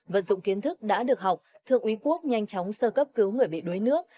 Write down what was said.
vận dụng kiến thức đã được học thượng úy quốc nhanh chóng sơ cấp cứu người bị đuối nước